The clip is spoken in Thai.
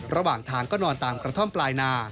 ระหว่างทางก็นอนตามกระท่อมปลายนา